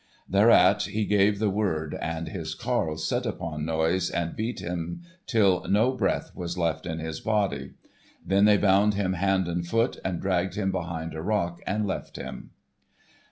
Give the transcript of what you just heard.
Thereat he gave the word, and his carles set upon Noise and beat him till no breath was left in his body. Then they bound him hand and foot, and dragged him behind a rock, and left him.